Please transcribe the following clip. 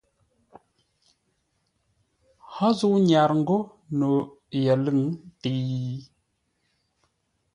Hó zə̂u nyarə́ ńgó no yəlʉ̂ŋ təi?